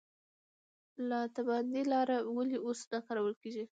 لاتابند لاره ولې اوس نه کارول کیږي؟